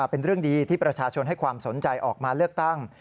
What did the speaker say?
เป็นเรื่องดีที่ประชาชนให้ความสนใจออกมาเลือกตั้ง